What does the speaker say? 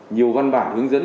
nhiều văn bản hướng dẫn